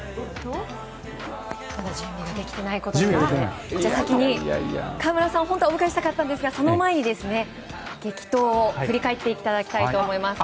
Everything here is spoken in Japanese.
まだ準備ができていないということで先に河村さんをお迎えしたかったんですがその前に、激闘を振り返っていただきたいと思います。